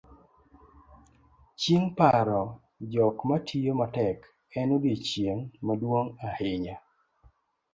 chieng' paro jok matiyo matek, en odiochieng' maduong' ahinya